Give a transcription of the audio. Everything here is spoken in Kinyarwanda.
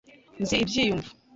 Nzi ibyiyumvo.